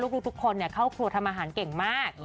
ลูกทุกคนเข้าครัวทำอาหารเก่งมาก